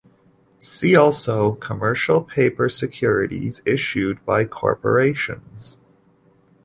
See also commercial paper, securities issued by corporations.